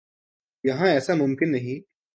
یہاں ایسا ممکن نہیں۔